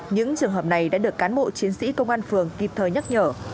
những trường hợp này đã được cán bộ chiến sĩ công an phường kịp thời nhắc nhở